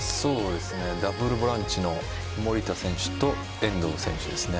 ダブルボランチの守田選手と遠藤選手ですね。